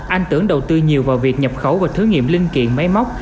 anh tưởng đầu tư nhiều vào việc nhập khẩu và thử nghiệm linh kiện máy móc